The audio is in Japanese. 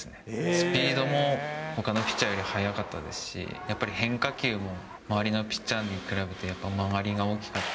スピードもほかのピッチャーより速かったですし、やっぱり変化球も、周りのピッチャーと比べて、曲がりが大きかった。